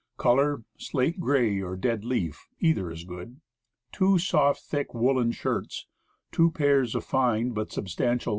Color, slate gray or dead leaf (either is good). Two soft, thick woolen shirts; two pairs of fine, but substantial, * Duffle.